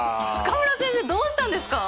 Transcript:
中村先生どうしたんですか？